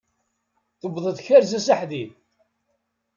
Tuweḍ tkerza s aḥdid!